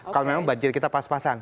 kalau memang banjir kita pas pasan